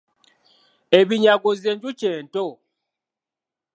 Ebinyago z’enjuki ento.